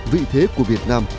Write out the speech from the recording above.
vị thế của việt nam